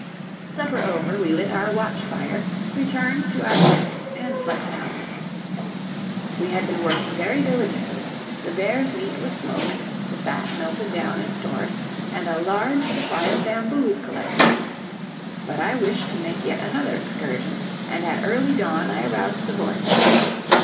Supper over, we lit our watch fire, retired to our tent, and slept soundly. We had been working very diligently; the bears' meat was smoked, the fat melted down and stored, and a large supply of bamboos collected. But I wished to make yet another excursion, and at early dawn I aroused the boys.